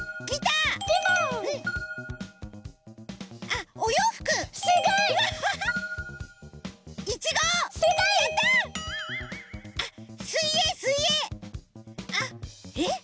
あっえっ？